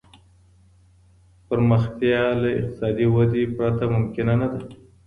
پرمختيا له اقتصادي ودي پرته ممکنه نه ده.